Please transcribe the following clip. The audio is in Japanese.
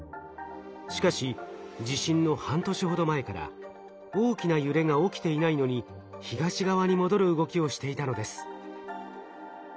しかし地震の半年ほど前から大きな揺れが起きていないのに東側に戻る動きをしていたのです。